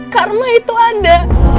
karma itu ada